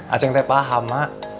acing tak paham emak